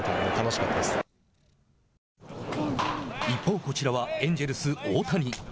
一方、こちらは、エンジェルス大谷。